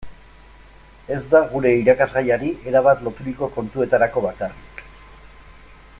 Ez da gure irakasgaiari erabat loturiko kontuetarako bakarrik.